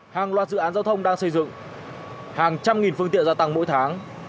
hàng loạt dự án giao thông đang xây dựng hàng trăm nghìn phương tiện gia tăng mỗi tháng